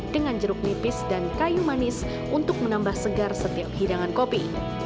dengan jeruk nipis dan kayu manis untuk menambah segar setiap hidangan kopi